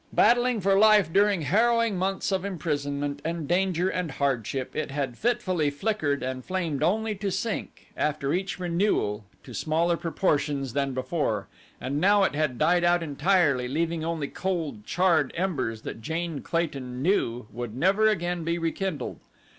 Battling for life during harrowing months of imprisonment and danger and hardship it had fitfully flickered and flamed only to sink after each renewal to smaller proportions than before and now it had died out entirely leaving only cold, charred embers that Jane Clayton knew would never again be rekindled.